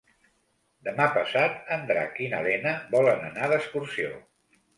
Demà passat en Drac i na Lena volen anar d'excursió.